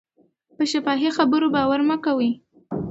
په شفاهي خبرو باور مه کوئ.